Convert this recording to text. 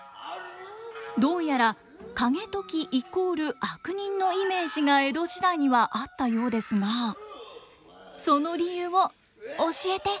どうやら景時イコール悪人のイメージが江戸時代にはあったようですがその理由を教えて！